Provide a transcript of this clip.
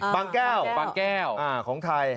บางแก้วของไทย